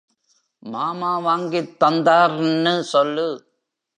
மாமா வாங்கித் தந்தார்னு சொல்லு.